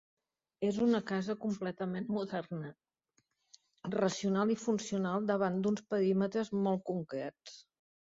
És una casa completament moderna, racional i funcional davant d'uns perímetres molt concrets.